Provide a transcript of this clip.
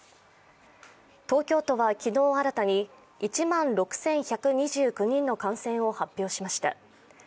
東京都は昨日新たに１万６１２９人の感染を発表しました。